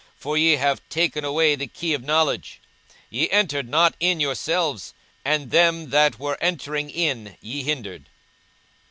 for ye have taken away the key of knowledge: ye entered not in yourselves, and them that were entering in ye hindered.